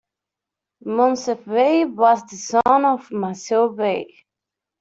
Moncef Bey was the son of Naceur Bey.